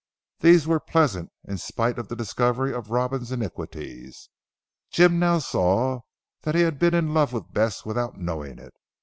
These were pleasant in spite of the discovery of Robin's iniquities. Jim now saw that he had been in love with Bess without knowing it.